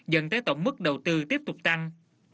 dẫn tới tổng mức đầu tư tiếp tục tăng